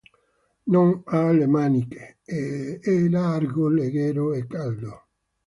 Non ha le maniche, è largo, leggero e caldo.